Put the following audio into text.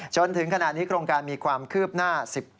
จนถึงขณะนี้โครงการมีความคืบหน้า๑๗